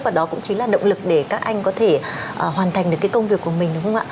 và đó cũng chính là động lực để các anh có thể hoàn thành được cái công việc của mình đúng không ạ